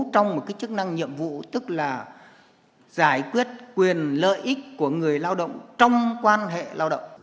trong một chức năng nhiệm vụ tức là giải quyết quyền lợi ích của người lao động trong quan hệ lao động